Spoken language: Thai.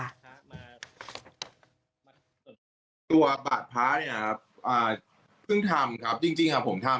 พระมาตัวบาทพระเนี่ยครับอ่าเพิ่งทำครับจริงครับผมทำ